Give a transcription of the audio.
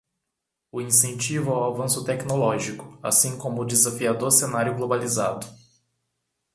O incentivo ao avanço tecnológico, assim como o desafiador cenário globalizado